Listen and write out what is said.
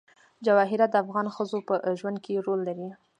جواهرات د افغان ښځو په ژوند کې رول لري.